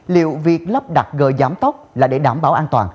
liệu việc lắp đặt gờ giảm tốc là để đảm bảo an toàn